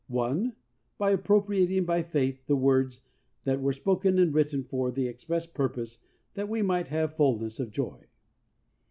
(i) By appropriating by faith the words that were spoken and written for the ex press purpose that we might have fulness of joy.